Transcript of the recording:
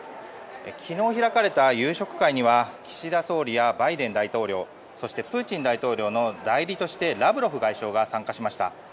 昨日開かれた夕食会には岸田総理やバイデン大統領そしてプーチン大統領の代理としてラブロフ外相が参加しました。